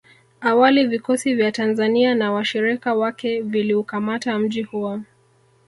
Awali vikosi vya Tanzania na washirika wake viliukamata mji huo